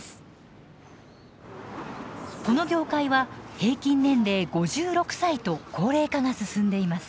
この業界は平均年齢５６歳と高齢化が進んでいます。